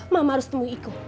mama harus temui iko